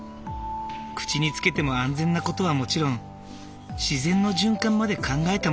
口につけても安全な事はもちろん自然の循環まで考えたものを使う。